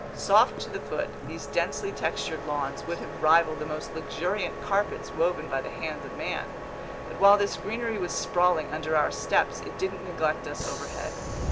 Soft to the foot, these densely textured lawns would have rivaled the most luxuriant carpets woven by the hand of man. But while this greenery was sprawling under our steps, it didn't neglect us overhead.